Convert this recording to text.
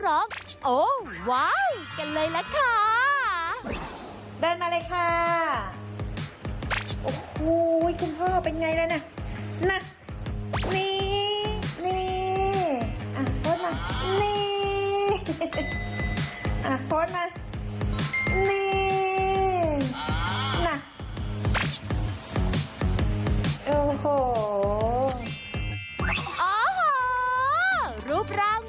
โอ้โฮรูปรังไหม